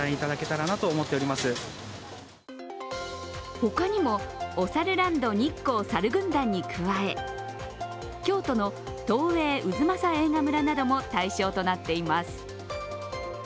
他にも、おさるランド日光さる軍団に加え、京都の東映太秦映画村なども対象となっています。